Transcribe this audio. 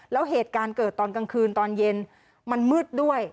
แล้วเหตุการณ์เกิดตอนกลางคืนตอนเย็นมันมืดด้วย